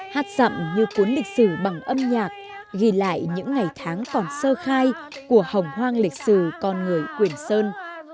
hát dậm như cuốn lịch sử bằng âm nhạc ghi lại những ngày tháng còn sơ khai của hồng hoang lịch sử con người quyền sơn